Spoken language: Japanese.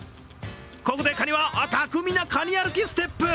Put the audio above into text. ここでカニは巧みなカニ歩きステップ。